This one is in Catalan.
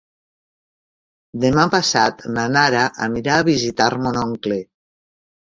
Demà passat na Nara anirà a visitar mon oncle.